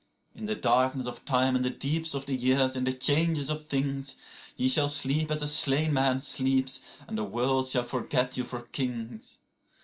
69In the darkness of time, in the deeps of the years, in the changes of things,70Ye shall sleep as a slain man sleeps, and the world shall forget you for kings.